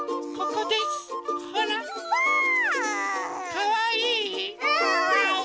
かわいい！